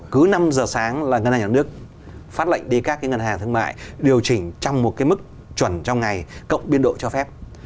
cứ năm giờ sáng là ngân hàng nhà nước phát lệnh đi các cái ngân hàng thương mại điều chỉnh trong một cái mức chuẩn trong ngày cộng biên độ cho phép